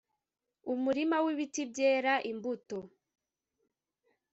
umurima w ibiti byera imbuto